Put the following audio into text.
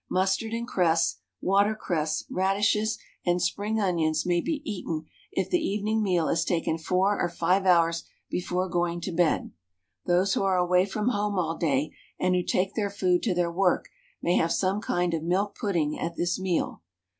Mustard and cress, watercress, radishes, and spring onions may be eaten if the evening meal is taken 4 or 5 hours before going to bed. Those who are away from home all day, and who take their food to their work may have some kind of milk pudding at this meal.